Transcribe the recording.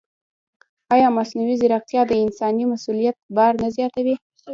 ایا مصنوعي ځیرکتیا د انساني مسؤلیت بار نه زیاتوي؟